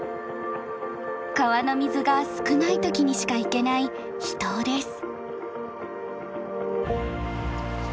川の水が少ない時にしか行けない秘湯です。